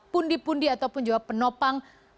pundi pundi ataupun penopang